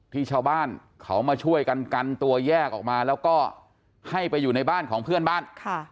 ที่ชาวบ้านเขามาช่วยกันกันตัวแยกออกมาแล้วก็ให้ไปอยู่ในบ้านของเพื่อนบ้าน